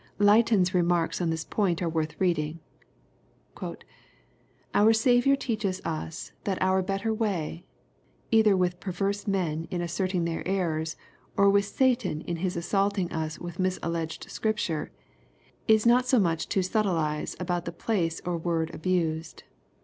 Leighton's remarks on this point are worth reading. ''Our Saviour teaches us that our better way, either with perverse men, in asserting their errors, or virith Satan in his assaulting us with misalleged scripture, is not so much to subtilize about the place or words abused.